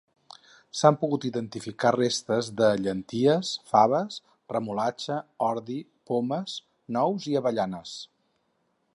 S'han pogut identificar restes de: llentilles, faves, remolatxa, ordi, pomes, nous i avellanes.